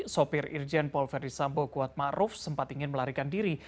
sopir irjen paul ferdisambo kuatmaruf sempat ingin melarikan diri